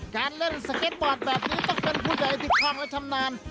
การเล่นสเก็ตบอร์ดแบบนี้ต้องเป็นผู้ใหญ่ที่คล่องและชำนาญ